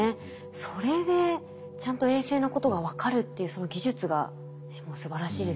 それでちゃんと衛星のことが分かるっていうその技術がもうすばらしいですね。